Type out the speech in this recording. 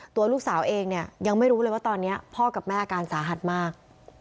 ตัวลูกสาวเองเนี่ยยังไม่รู้เลยว่าตอนนี้พ่อกับแม่อาการสาหัสมาก